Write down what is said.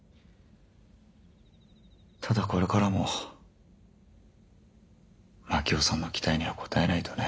ただこれからも真樹夫さんの期待には応えないとね。